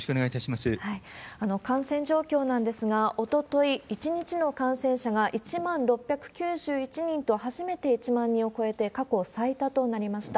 感染状況なんですが、おととい、１日の感染者が１万６９１人と、初めて１万人を超えて過去最多となりました。